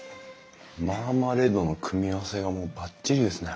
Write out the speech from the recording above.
マーマレードの組み合わせがもうばっちりですね。